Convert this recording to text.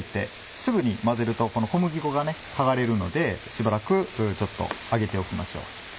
すぐに混ぜると小麦粉が剥がれるのでしばらくちょっと揚げておきましょう。